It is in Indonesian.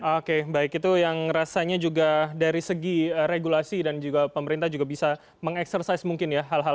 oke baik itu yang rasanya juga dari segi regulasi dan juga pemerintah juga bisa mengeksersaiz mungkin ya hal hal